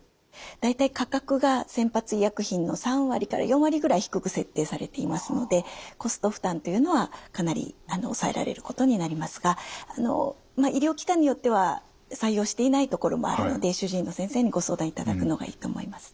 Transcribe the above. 大体価格が先発医薬品の３割から４割ぐらい低く設定されていますのでコスト負担というのはかなり抑えられることになりますが医療機関によっては採用していないところもあるので主治医の先生にご相談いただくのがいいと思います。